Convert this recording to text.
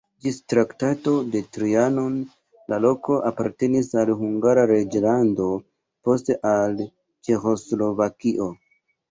Ĝis Traktato de Trianon la loko apartenis al Hungara reĝlando, poste al Ĉeĥoslovakio.